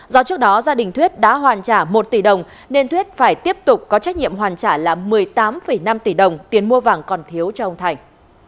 do trước đó gia đình thuyết đã hoàn trả một tỷ đồng nên thuyết phải tiếp tục có trách nhiệm hoàn trả là một mươi tám năm tỷ đồng tiền mua vàng còn thiếu cho ông thành